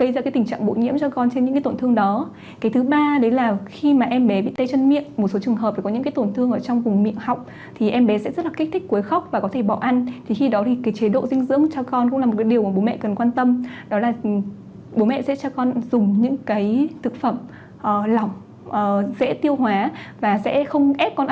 và tránh có thể gây ra tình trạng bội nhiễm cho con trên những tổn thương đó